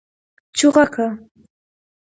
🐦 چوغکه